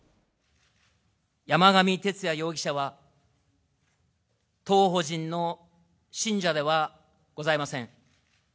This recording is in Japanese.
山上徹也容疑者は、当法人の信者ではございません。